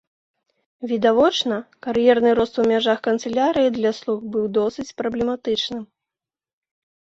Відавочна, кар'ерны рост у межах канцылярыі для слуг быў досыць праблематычным.